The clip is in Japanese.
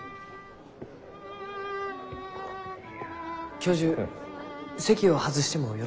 教授席を外してもよろしいでしょうか？